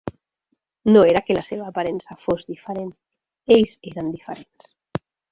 No era que la seva aparença fos diferent; ells eren diferents.